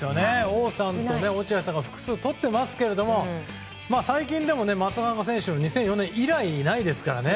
王さんと落合さんが複数とっていますけど最近でも松中選手の２００４年以来いないですからね。